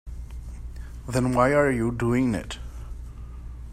Then why are you doing it?